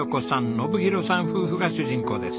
信博さん夫婦が主人公です。